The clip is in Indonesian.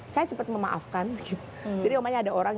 saya cepat memaafkan